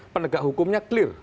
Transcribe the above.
penegak hukumnya clear